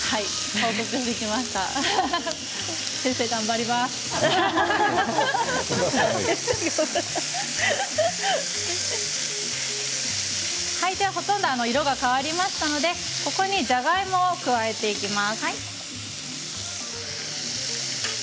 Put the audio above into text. もう、ほとんど色が変わりましたのでここにじゃがいもを加えていきます。